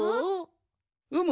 うむ。